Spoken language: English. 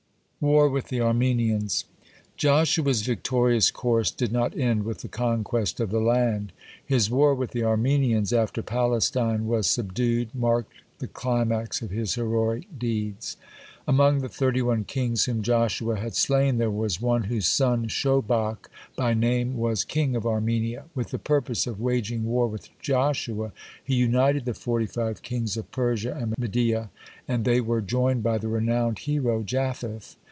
(44) WAR WITH THE ARMENIANS Joshua's victorious course did not end with the conquest of the land. His war with the Armenians, after Palestine was subdued, marked the climax of his heroic deeds. Among the thirty one kings whom Joshua had slain, there was one whose son, Shobach by name, was king of Armenia. With the purpose of waging war with Joshua, he united the forty five kings of Persia and Media, and they were joined by the renowned hero Japheth.